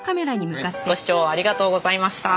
ご視聴ありがとうございました。